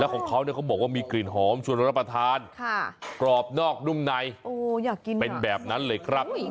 ของเขาเนี่ยเขาบอกว่ามีกลิ่นหอมชวนรับประทานกรอบนอกนุ่มในเป็นแบบนั้นเลยครับ